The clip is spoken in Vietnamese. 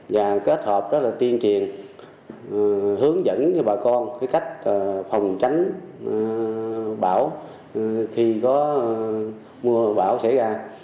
và kết hợp rất tiên triền hướng dẫn cho bà con cách phòng tránh bão khi có mưa bão xảy ra